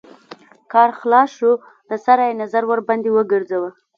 کار خلاص شو له سره يې نظر ورباندې وګرځوه.